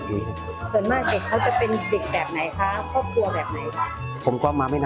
ส่วนมากเด็กเขาจะเป็นเด็กแบบไหนคะครอบครัวแบบไหนคะ